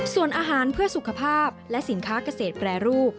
ส่วนอาหารเพื่อสุขภาพและสินค้าเกษตรแปรรูป